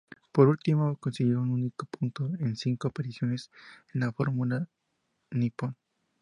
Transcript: Por último, consiguió un único punto en cinco apariciones en la Fórmula Nippon.